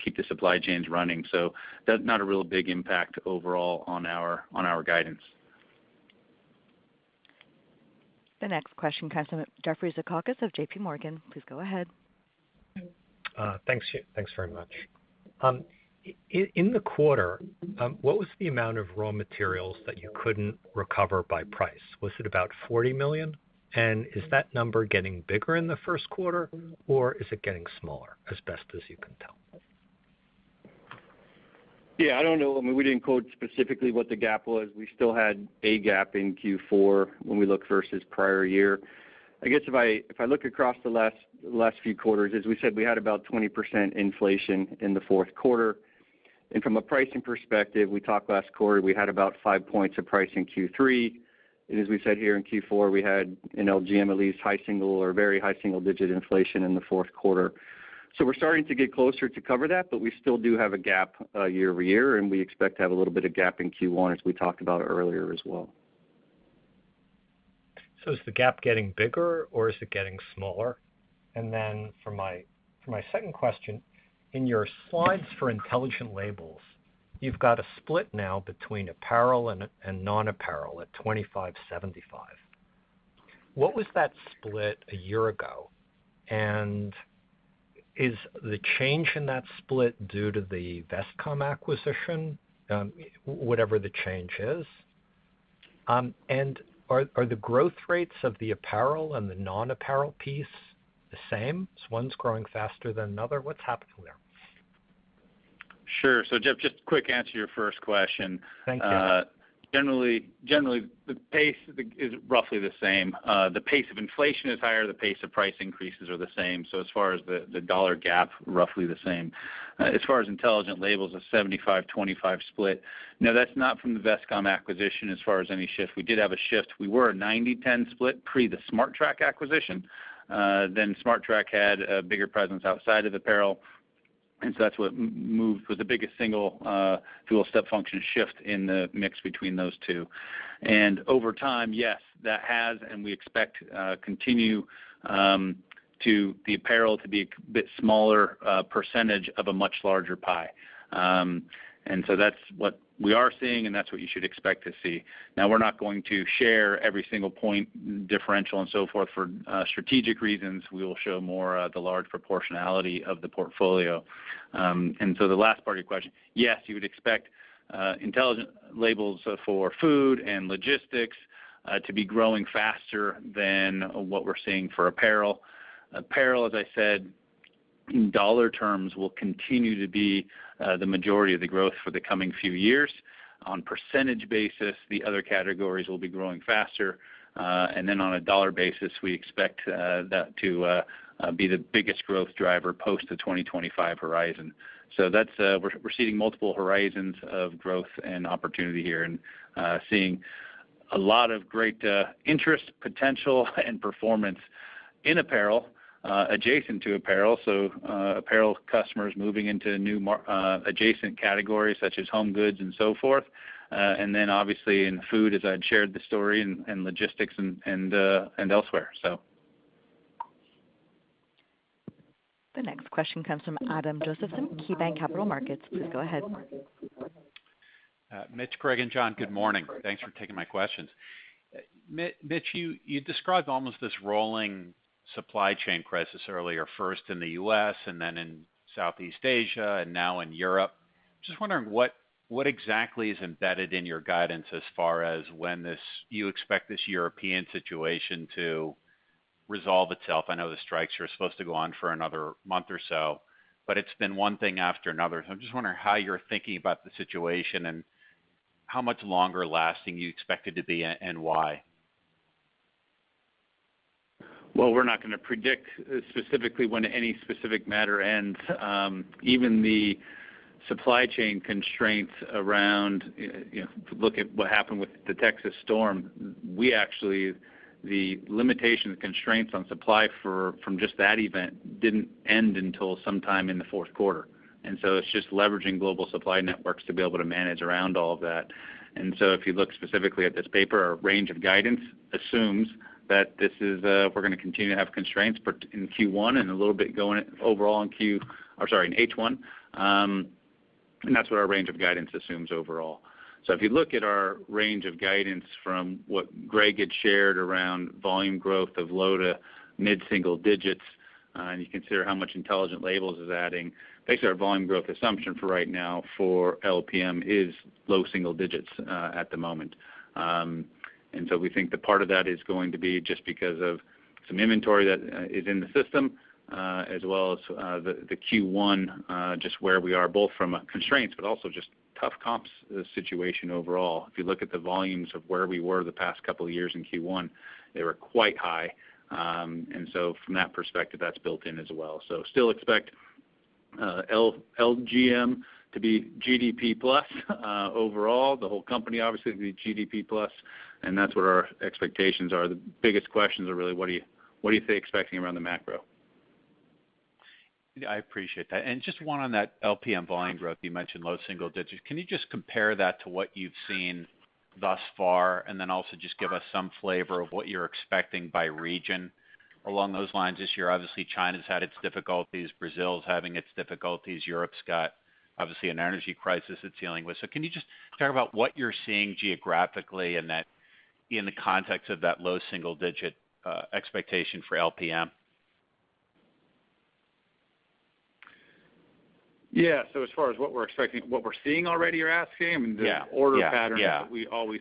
keep the supply chains running. That's not a real big impact overall on our guidance. The next question comes from Jeffrey Zekauskas of JPMorgan. Please go ahead. Thanks. Thanks very much. In the quarter, what was the amount of raw materials that you couldn't recover by price? Was it about $40 million? Is that number getting bigger in the first quarter or is it getting smaller as best as you can tell? Yeah, I don't know. I mean, we didn't quote specifically what the gap was. We still had a gap in Q4 when we look versus prior year. I guess if I look across the last few quarters, as we said, we had about 20% inflation in the fourth quarter. From a pricing perspective, we talked last quarter, we had about five points of price in Q3. As we said here in Q4, we had in LGM at least high single or very high single digit inflation in the fourth quarter. So we're starting to get closer to cover that, but we still do have a gap, year-over-year, and we expect to have a little bit of gap in Q1 as we talked about earlier as well. Is the gap getting bigger or is it getting smaller? For my second question, in your slides for Intelligent Labels, you've got a split now between apparel and non-apparel at 25%-75%. What was that split a year ago? Is the change in that split due to the Vestcom acquisition, whatever the change is? Are the growth rates of the apparel and the non-apparel piece the same? Is one's growing faster than another? What's happening there? Sure. Jeff, just a quick answer to your first question. Thank you. Generally the pace is roughly the same. The pace of inflation is higher, the pace of price increases are the same. As far as the dollar gap, roughly the same. As far as Intelligent Labels, a 75%-25% split. Now that's not from the Vestcom acquisition as far as any shift. We did have a shift. We were a 90%-10% split pre the Smartrac acquisition. Then Smartrac had a bigger presence outside of apparel. That's what moved with the biggest single full step function shift in the mix between those two. Over time, yes, that has, and we expect to continue to have the apparel to be a bit smaller percentage of a much larger pie. That's what we are seeing, and that's what you should expect to see. Now, we're not going to share every single point differential and so forth for strategic reasons. We will show more, the large proportionality of the portfolio. The last part of your question, yes, you would expect Intelligent Labels for food and logistics to be growing faster than what we're seeing for apparel. Apparel, as I said, in dollar terms, will continue to be the majority of the growth for the coming few years. On percentage basis, the other categories will be growing faster. On a dollar basis, we expect that to be the biggest growth driver post the 2025 horizon. That's where we're seeing multiple horizons of growth and opportunity here, seeing a lot of great interest, potential, and performance in apparel, adjacent to apparel, so apparel customers moving into adjacent categories such as home goods and so forth. Obviously in food, as I'd shared the story, and logistics and elsewhere. The next question comes from Adam Josephson, KeyBanc Capital Markets. Please go ahead. Mitch, Greg, and John, good morning. Thanks for taking my questions. Mitch, you described almost this rolling supply chain crisis earlier, first in the U.S. and then in Southeast Asia and now in Europe. Just wondering what exactly is embedded in your guidance as far as when you expect this European situation to resolve itself? I know the strikes are supposed to go on for another month or so, but it's been one thing after another. I'm just wondering how you're thinking about the situation and how much longer lasting you expect it to be and why. Well, we're not gonna predict specifically when any specific matter ends. Even the supply chain constraints around, you know, if you look at what happened with the Texas storm, the limitations and constraints on supply from just that event didn't end until sometime in the fourth quarter. It's just leveraging global supply networks to be able to manage around all of that. If you look specifically at this paper, our range of guidance assumes that this is, we're gonna continue to have constraints in Q1 and a little bit going overall in H1. That's what our range of guidance assumes overall. If you look at our range of guidance from what Greg had shared around volume growth of low- to mid-single digits, and you consider how much Intelligent Labels is adding, basically our volume growth assumption for right now for LGM is low single digits at the moment. We think that part of that is going to be just because of some inventory that is in the system as well as the Q1 just where we are both from a constraints, but also just tough comps situation overall. If you look at the volumes of where we were the past couple of years in Q1, they were quite high. From that perspective, that's built in as well. Still expect LGM to be GDP plus overall. The whole company obviously will be GDP plus, and that's what our expectations are. The biggest questions are really, what are you, what are they expecting around the macro? I appreciate that. Just one on that LGM volume growth, you mentioned low single-digit%. Can you just compare that to what you've seen thus far? Also just give us some flavor of what you're expecting by region along those lines this year. Obviously, China's had its difficulties. Brazil's having its difficulties. Europe's got obviously an energy crisis it's dealing with. Can you just talk about what you're seeing geographically in that, in the context of that low single-digit% expectation for LGM? Yeah. As far as what we're expecting, what we're seeing already, you're asking? Yeah. I mean, the order patterns.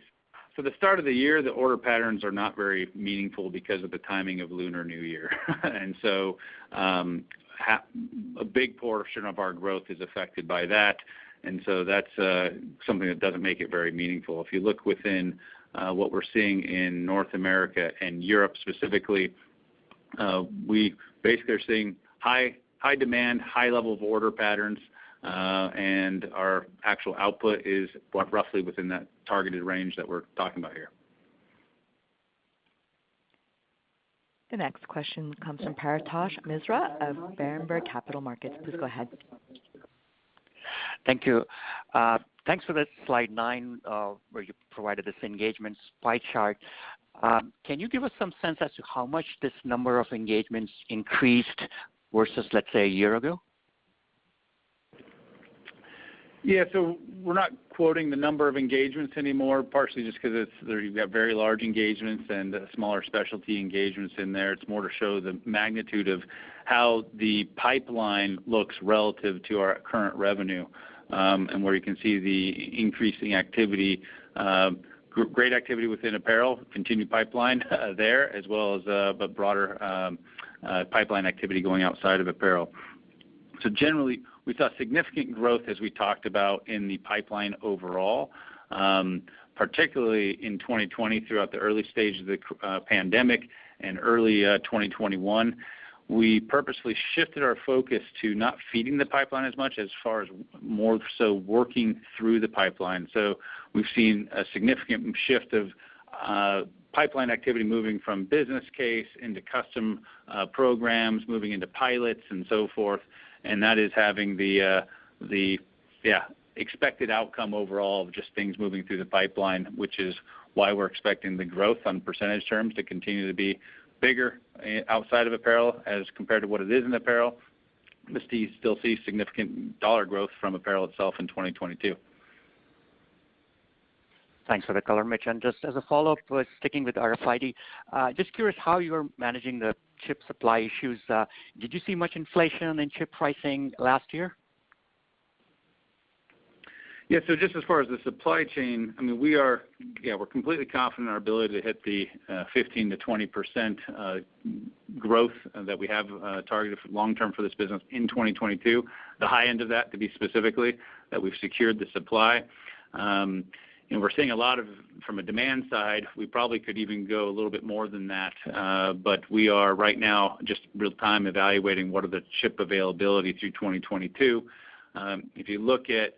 The start of the year, the order patterns are not very meaningful because of the timing of Lunar New Year. A big portion of our growth is affected by that. That's something that doesn't make it very meaningful. If you look within what we're seeing in North America and Europe specifically, we basically are seeing high demand, high level of order patterns, and our actual output is roughly within that targeted range that we're talking about here. The next question comes from Paretosh Misra of Berenberg Capital Markets. Please go ahead. Thank you. Thanks for that slide nine, where you provided this engagement pie chart. Can you give us some sense as to how much this number of engagements increased versus, let's say, a year ago? Yeah. We're not quoting the number of engagements anymore, partially just because you've got very large engagements and smaller specialty engagements in there. It's more to show the magnitude of how the pipeline looks relative to our current revenue, and where you can see the increasing activity, great activity within apparel, continued pipeline there, as well as the broader pipeline activity going outside of apparel. Generally, we saw significant growth as we talked about in the pipeline overall, particularly in 2020 throughout the early stage of the pandemic and early 2021. We purposely shifted our focus to not feeding the pipeline as much as far as more so working through the pipeline. We've seen a significant shift of pipeline activity moving from business case into custom programs, moving into pilots and so forth. That is having the expected outcome overall of just things moving through the pipeline, which is why we're expecting the growth on percentage terms to continue to be bigger outside of apparel as compared to what it is in apparel, but still see significant dollar growth from apparel itself in 2022. Thanks for the color, Mitch. Just as a follow-up, sticking with RFID, just curious how you're managing the chip supply issues. Did you see much inflation in chip pricing last year? Yeah. Just as far as the supply chain, I mean, we're completely confident in our ability to hit the 15%-20% growth that we have targeted for long-term for this business in 2022. The high end of that could be specifically that we've secured the supply. From a demand side, we probably could even go a little bit more than that, but we are right now just real-time evaluating what the chip availability is through 2022. If you look at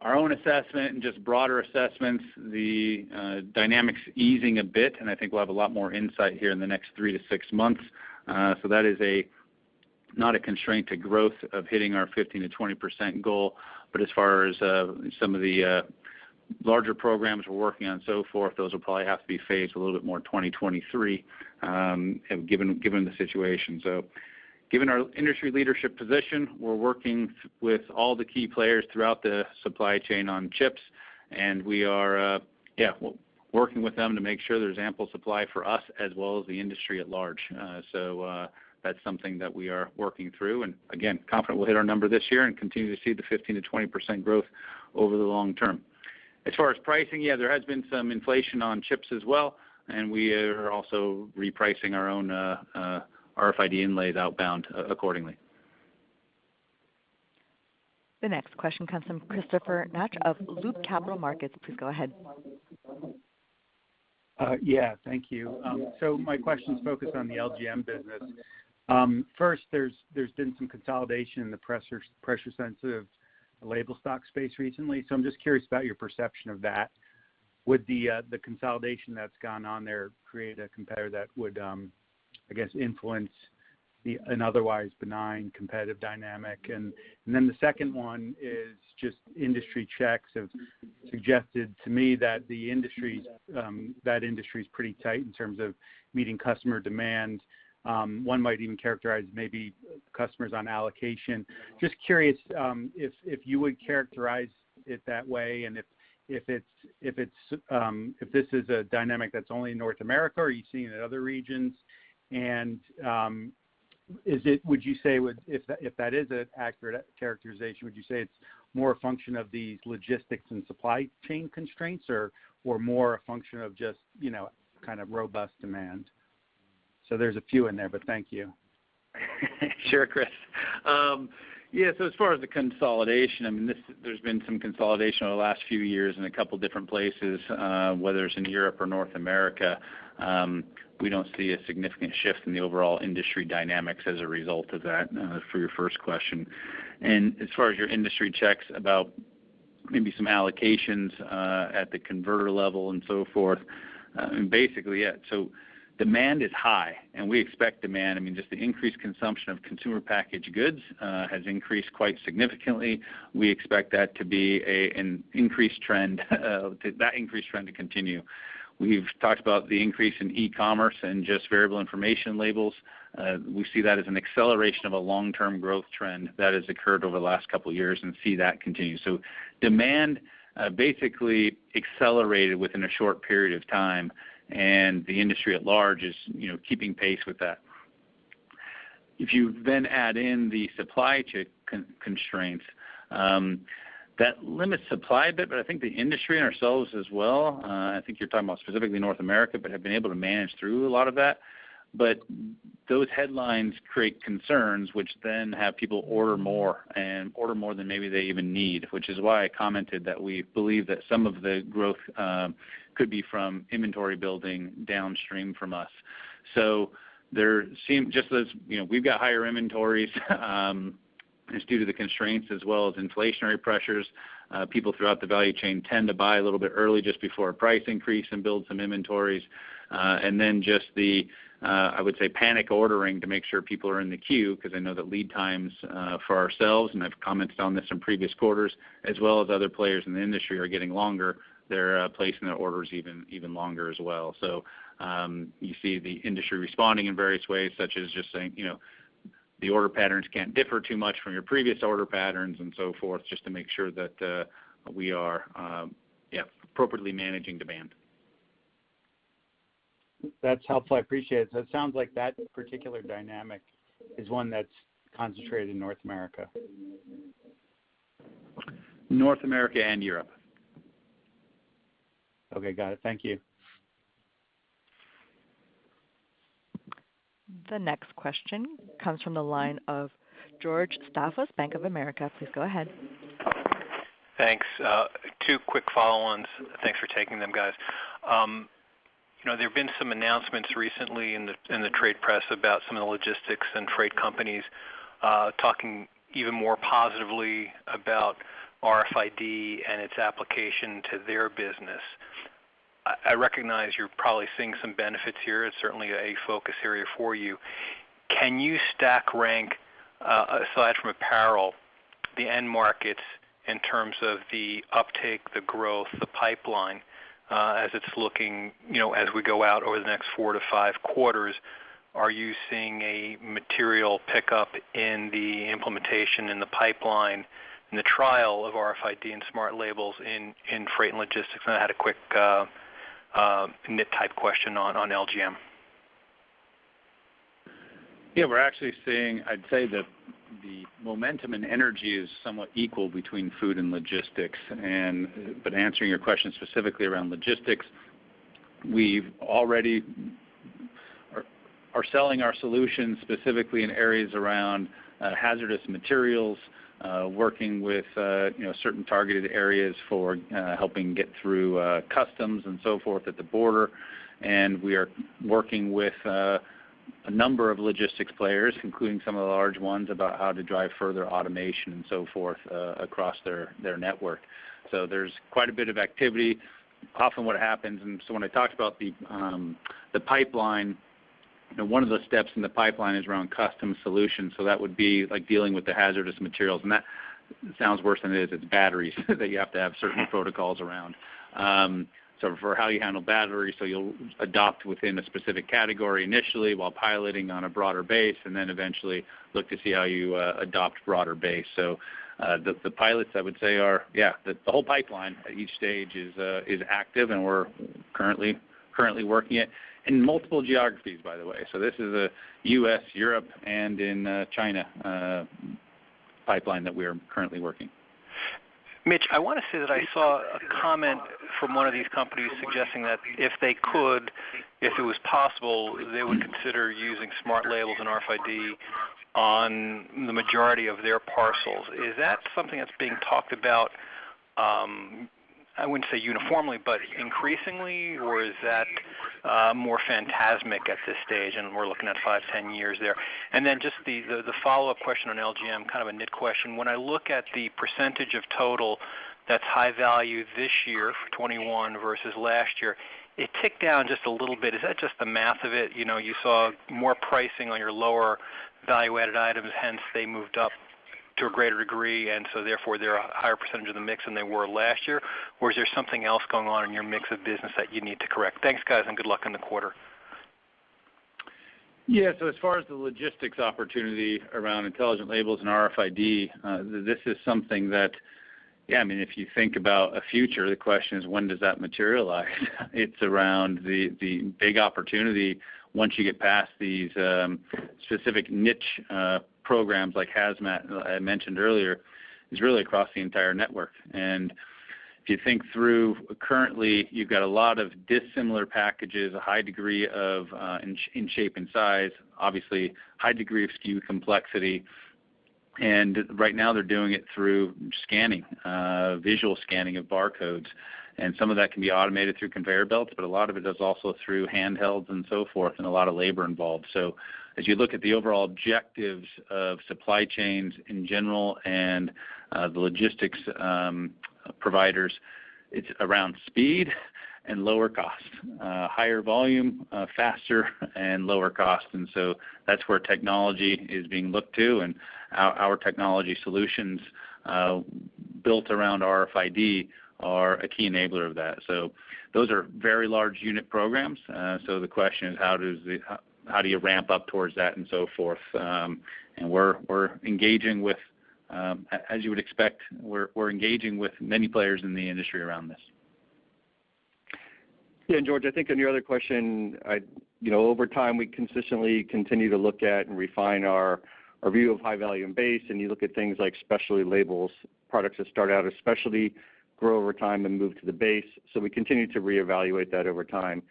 our own assessment and just broader assessments, the dynamics easing a bit, and I think we'll have a lot more insight here in the next three to six months. That is not a constraint to growth of hitting our 15%-20% goal. As far as some of the larger programs we're working on and so forth, those will probably have to be phased a little bit more in 2023, given the situation. Given our industry leadership position, we're working with all the key players throughout the supply chain on chips, and we are working with them to make sure there's ample supply for us as well as the industry at large. That's something that we are working through, and again, confident we'll hit our number this year and continue to see the 15%-20% growth over the long term. As far as pricing, yeah, there has been some inflation on chips as well, and we are also repricing our own RFID inlays outbound accordingly. The next question comes from Christopher Maich of Loop Capital Markets. Please go ahead. Thank you. My question's focused on the LGM business. First, there's been some consolidation in the pressure-sensitive label stock space recently. I'm just curious about your perception of that. Would the consolidation that's gone on there create a competitor that would, I guess, influence an otherwise benign competitive dynamic? The second one is just industry checks have suggested to me that the industry that's pretty tight in terms of meeting customer demand. One might even characterize maybe customers on allocation. Just curious if you would characterize it that way and if it's a dynamic that's only in North America, are you seeing it in other regions? Is it, would you say, if that is an accurate characterization, would you say it's more a function of these logistics and supply chain constraints or more a function of just, you know, kind of robust demand? There's a few in there, but thank you. Sure, Chris. Yeah. As far as the consolidation, I mean, there's been some consolidation over the last few years in a couple different places, whether it's in Europe or North America. We don't see a significant shift in the overall industry dynamics as a result of that, for your first question. As far as your industry checks about maybe some allocations, at the converter level and so forth, I mean, basically, yeah. Demand is high, and we expect demand. I mean, just the increased consumption of consumer packaged goods has increased quite significantly. We expect that to be an increased trend, that increased trend to continue. We've talked about the increase in e-commerce and just variable information labels. We see that as an acceleration of a long-term growth trend that has occurred over the last couple years and see that continue. Demand basically accelerated within a short period of time, and the industry at large is, you know, keeping pace with that. If you then add in the supply constraints, that limits supply a bit, but I think the industry and ourselves as well, I think you're talking about specifically North America, but have been able to manage through a lot of that. Those headlines create concerns, which then have people order more and order more than maybe they even need, which is why I commented that we believe that some of the growth could be from inventory building downstream from us. There seems, just as you know, we've got higher inventories just due to the constraints as well as inflationary pressures. People throughout the value chain tend to buy a little bit early just before a price increase and build some inventories. Then just the, I would say, panic ordering to make sure people are in the queue, 'cause I know that lead times for ourselves, and I've commented on this in previous quarters, as well as other players in the industry, are getting longer. They're placing their orders even longer as well. You see the industry responding in various ways, such as just saying, you know, the order patterns can't differ too much from your previous order patterns and so forth, just to make sure that we are appropriately managing demand. That's helpful. I appreciate it. It sounds like that particular dynamic is one that's concentrated in North America. North America and Europe. Okay. Got it. Thank you. The next question comes from the line of George Leon Staphos, Bank of America. Please go ahead. Thanks. Two quick follow-ons. Thanks for taking them, guys. You know, there have been some announcements recently in the trade press about some of the logistics and trade companies talking even more positively about RFID and its application to their business. I recognize you're probably seeing some benefits here. It's certainly a focus area for you. Can you stack rank aside from apparel the end markets in terms of the uptake, the growth, the pipeline as it's looking, you know, as we go out over the next four to five quarters, are you seeing a material pickup in the implementation in the pipeline in the trial of RFID and smart labels in freight and logistics? I had a quick nit type question on LGM. Yeah, we're actually seeing. I'd say that the momentum and energy is somewhat equal between food and logistics. Answering your question specifically around logistics, we are selling our solutions specifically in areas around hazardous materials, working with you know certain targeted areas for helping get through customs and so forth at the border. We are working with a number of logistics players, including some of the large ones about how to drive further automation and so forth across their network. There's quite a bit of activity. Often what happens, and so when I talked about the pipeline, you know, one of the steps in the pipeline is around custom solutions. That would be like dealing with the hazardous materials. That sounds worse than it is. It's batteries that you have to have certain protocols around. For how you handle batteries, you'll adopt within a specific category initially while piloting on a broader base and then eventually look to see how you adopt broader base. The pilots, I would say, are the whole pipeline at each stage is active, and we're currently working it in multiple geographies, by the way. This is a U.S., Europe, and China pipeline that we are currently working. Mitch, I want to say that I saw a comment from one of these companies suggesting that if they could, if it was possible, they would consider using smart labels and RFID on the majority of their parcels. Is that something that's being talked about? I wouldn't say uniformly, but increasingly, or is that more phantasmic at this stage and we're looking at five, 10 years there? Then just the follow-up question on LGM, kind of a nit question. When I look at the percentage of total that's high value this year for 21 versus last year, it ticked down just a little bit. Is that just the math of it? You know, you saw more pricing on your lower value-added items, hence they moved up to a greater degree, and so therefore, they're a higher percentage of the mix than they were last year. Is there something else going on in your mix of business that you need to correct? Thanks, guys, and good luck on the quarter. Yeah. As far as the logistics opportunity around Intelligent Labels and RFID, this is something that, I mean, if you think about a future, the question is, when does that materialize? It's around the big opportunity once you get past these specific niche programs like HAZMAT I mentioned earlier, is really across the entire network. If you think through, currently, you've got a lot of dissimilar packages, a high degree of in shape and size, obviously high degree of SKU complexity. Right now, they're doing it through scanning, visual scanning of barcodes. Some of that can be automated through conveyor belts, but a lot of it is also through handhelds and so forth and a lot of labor involved. As you look at the overall objectives of supply chains in general and the logistics providers, it's around speed and lower cost, higher volume, faster and lower cost. That's where technology is being looked to. Our technology solutions built around RFID are a key enabler of that. Those are very large unit programs. The question is, how do you ramp up towards that and so forth? We're engaging with, as you would expect, many players in the industry around this. Yeah, George, I think on your other question, I'd, you know, over time, we consistently continue to look at and refine our view of high volume base, and you look at things like specialty labels, products that start out as specialty grow over time, then move to the base. We continue to reevaluate that over time.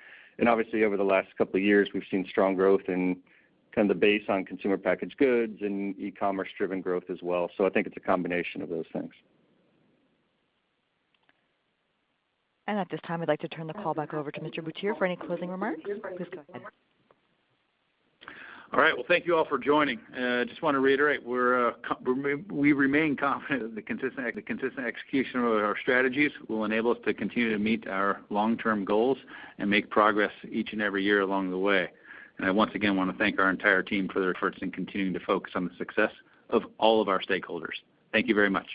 Obviously, over the last couple of years, we've seen strong growth in kind of the base on consumer packaged goods and e-commerce driven growth as well. I think it's a combination of those things. At this time, I'd like to turn the call back over to Mr. Butier for any closing remarks. Please go ahead. All right. Well, thank you all for joining. Just want to reiterate, we remain confident that the consistent execution of our strategies will enable us to continue to meet our long-term goals and make progress each and every year along the way. I once again want to thank our entire team for their efforts in continuing to focus on the success of all of our stakeholders. Thank you very much.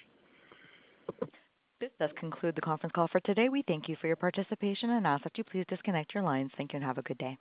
This does conclude the conference call for today. We thank you for your participation and ask that you please disconnect your lines. Thank you, and have a good day.